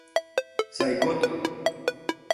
Сай код!